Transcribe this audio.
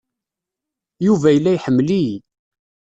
Yuba yella iḥemmel-iyi.